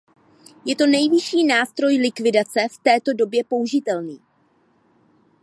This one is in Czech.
Je to nejvyšší nástroj likvidace v této době použitelný.